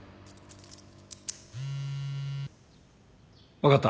分かった。